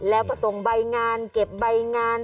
แล้วก็ส่งใบงานเก็บใบงาน